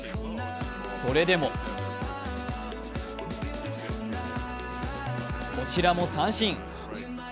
それでもこちらも三振。